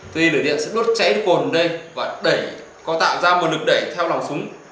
tiên lửa điện sẽ bút cháy khuồn vào đây và có tạo ra một lực đẩy theo lòng súng